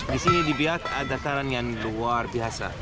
di sini di biak ada karang yang luar biasa